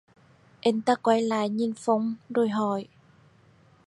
Anh ta quay lại nhìn phong rồi hỏi